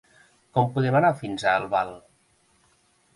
Com podem anar fins a Albal?